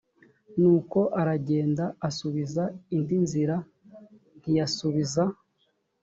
nuko aragenda asubiza indi nzira ntiyasubiza